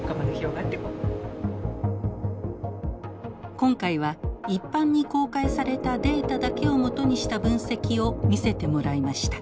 今回は一般に公開されたデータだけを基にした分析を見せてもらいました。